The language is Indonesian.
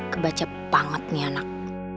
kebaca banget nih anak